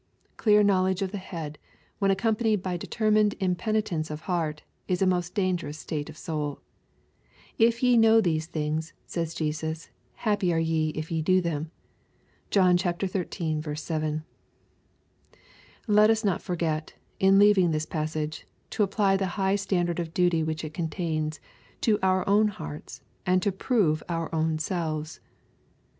Clear knowledge of the \ head, when accompanied by determined impenitence of ^eart, is a most dangerous state of soul. "If ye know these things/' says Jesus, " happy are ye if ye do them." (John xiii. 7.) Let us not forget, in leaving this passage, to apply the high standard of duty which it contains, to our own hearts, and to prove our own selves.